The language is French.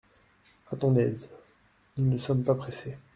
A ton aise ! nous ne sommes pas pressés.